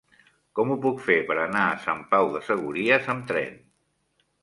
Com ho puc fer per anar a Sant Pau de Segúries amb tren?